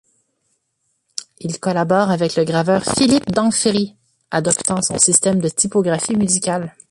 Il collabore avec le graveur Philippe Danfrie, adoptant son système de typographie musicale.